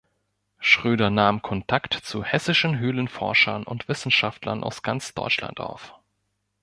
Schröder nahm Kontakt zu hessischen Höhlenforschern und Wissenschaftlern aus ganz Deutschland auf.